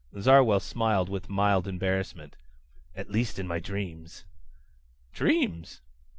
Zarwell smiled with mild embarrassment. "At least in my dreams." "Dreams?"